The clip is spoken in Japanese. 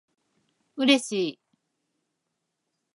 嬉しい